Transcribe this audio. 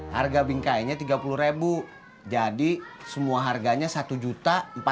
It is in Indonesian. harga bingkainya rp tiga puluh jadi semua harganya rp satu empat ratus